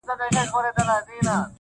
زاړه خلک موضوع بدله کوي تل,